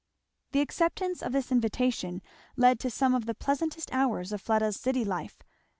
The acceptance of this invitation led to some of the pleasantest hours of Fleda's city life.